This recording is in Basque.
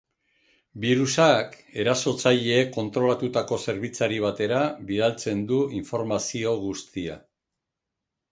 Birusak erasotzaileek kontrolatutako zerbitzari batera bidaltzen du informazio guztia.